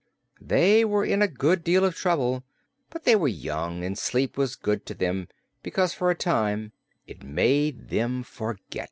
They were in a good deal of trouble; but they were young, and sleep was good to them because for a time it made them forget.